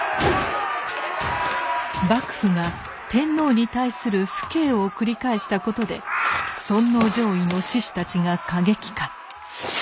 幕府が天皇に対する不敬を繰り返したことで尊王攘夷の志士たちが過激化。